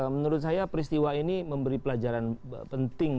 menurut saya peristiwa ini memberi pelajaran penting